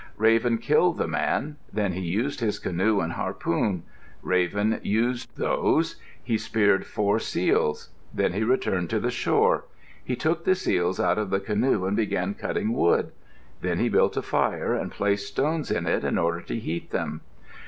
Raven killed the man. Then he used his canoe and harpoon. Raven used those. He speared four seals. Then he returned to the shore. He took the seals out of the canoe and began cutting wood. Then he built a fire and placed stones in it in order to heat them.